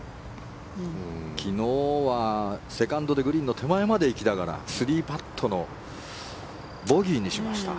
昨日はセカンドでグリーンの手前まで行きながら３パットのボギーにしました。